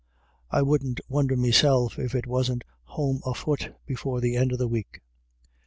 I wouldn't wonder meself if he wasn't horned fut before the end of the week."